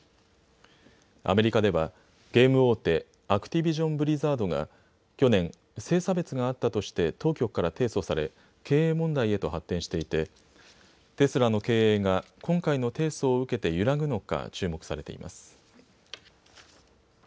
アメリカではゲーム大手、アクティビジョン・ブリザードが、去年、性差別があったとして当局から提訴され経営問題へと発展していてテスラの経営が今回の提訴を受けて揺らぐのか注目されています。